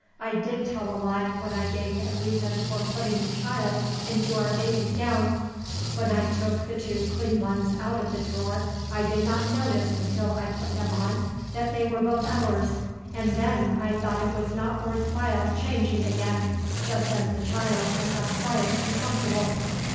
I did tell a lie when I gave that reason for putting the child into our baby's gown. When I took the two clean ones out of the drawer I did not notice until I put them on that they were both ours, and then I thought it was not worth while changing again just as the child had got quiet and comfortable.